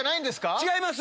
違います。